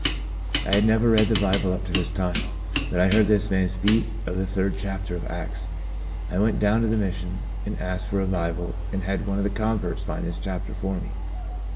I had never read the Bible up to this time, but I heard this man speak of the third chapter of Acts. I went down to the Mission and asked for a Bible and had one of the converts find this chapter for me.